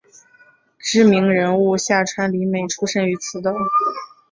知名人物夏川里美出身于此岛。